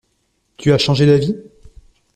Tu as changé d’avis?